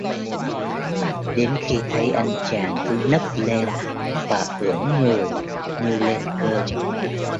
Đến khi thấy Anh chàng cứ nấc lên và ưỡn người như lên cơn